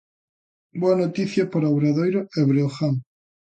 Boa noticia para Obradoiro e Breogán...